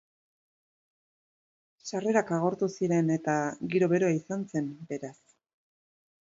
Sarrerak agortu ziren, eta giro beroa izan zen, beraz.